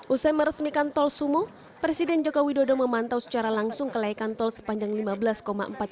usai meresmikan tol sumuh presiden jokowi dodo memantau secara langsung kelaikan tol sepanjang lima tahun